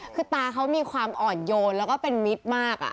คือตาเขามีความอ่อนโยนแล้วก็เป็นมิตรมาก